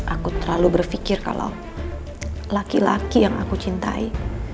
aku terlalu berpikir kalau laki laki yang aku cintai